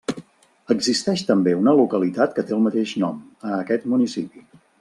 Existeix també una localitat que té el mateix nom, a aquest municipi.